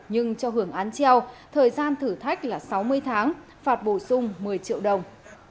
nhưng cho hưởng án treo thời gian thử thách là sáu mươi tháng phạt bổ sung một mươi triệu đồng